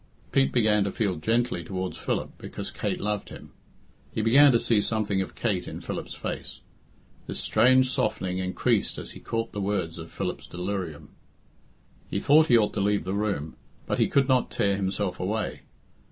Pete began to feel gently towards Philip because Kate loved him; he began to see something of Kate in Philip's face. This strange softening increased as he caught the words of Philip's delirium. He thought he ought to leave the room, but he could not tear himself away.